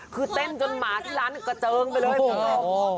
คือเต้นจนหมาที่ร้านกระเจิงไปเลย